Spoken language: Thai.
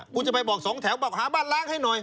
คุณจะไปบอกสองแถวบอกหาบ้านล้างให้หน่อย